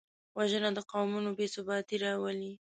وژنه د قومونو بېثباتي راولي